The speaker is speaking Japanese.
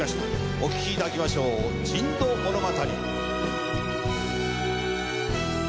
お聴きいただきましょう『珍島物語』。